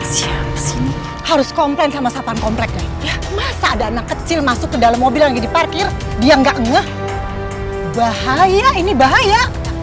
siapa sih ini harus komplain sama sahabat komplek masa ada anak kecil masuk ke dalam mobil lagi di parkir dia gak ngeh bahaya ini bahaya